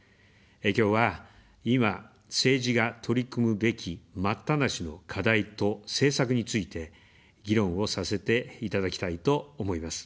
きょうは、今、政治が取り組むべき待ったなしの課題と政策について、議論をさせていただきたいと思います。